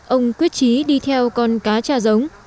ông quyết trí đi theo con cá cha giống